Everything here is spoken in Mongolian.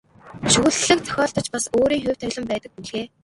Шүлэг зохиолд ч бас өөрийн хувь тавилан байдаг бүлгээ.